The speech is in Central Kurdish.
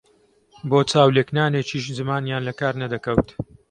بۆ چاو لێکنانێکیش زمانیان لە کار نەدەکەوت